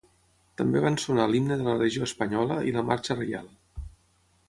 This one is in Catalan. També van sonar l’himne de la legió espanyola i la ‘Marxa reial’.